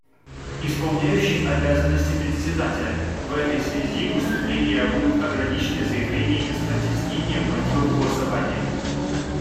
Исполняющий обязанности Председателя: В этой связи выступления будут ограничены заявлениями с разъяснением мотивов голосования.